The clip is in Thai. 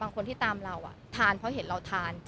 บางคนที่ตามเราทานเพราะเราเห็นทาน